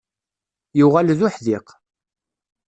Yuɣal d uḥdiq.